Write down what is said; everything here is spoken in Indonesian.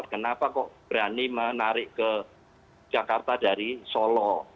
kenapa kok berani menarik ke jakarta dari solo